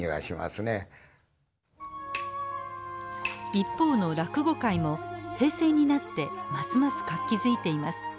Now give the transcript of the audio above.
一方の落語界も平成になってますます活気づいています。